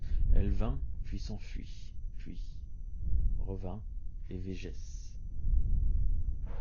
Elle vint, puis s'enfuit, puis. revint, et Végèce.